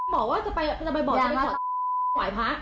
บอกว่าจะไปบอกจะไปถอด